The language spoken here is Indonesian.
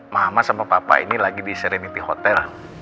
mama sama papa ini lagi di serenity hotel